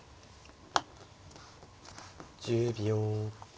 １０秒。